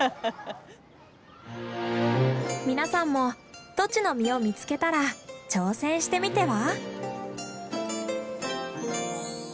皆さんもトチの実を見つけたら挑戦してみては？